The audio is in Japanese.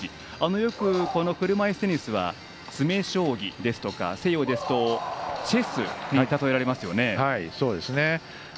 よくこの車いすテニスは詰め将棋ですとか、西洋ですとチェスに例えられますよね。